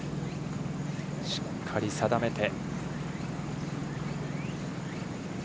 しっかり定めて。